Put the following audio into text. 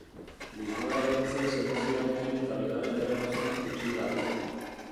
Lisboara joan zen selekzioarekin eta bigarren geratu zen gutxigatik.